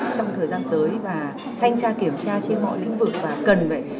trong thời gian tới và thanh tra kiểm tra trên mọi lĩnh vực và cần vậy